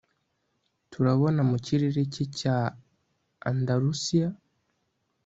turabona mu kirere cye cya andalusiya